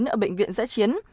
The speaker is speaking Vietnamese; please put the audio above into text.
ở bệnh viện giã chiến